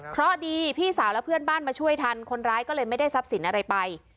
เพราะดีพี่สาวและเพื่อนบ้านมาช่วยทันคนร้ายก็เลยไม่ได้ทรัพย์สินอะไรไป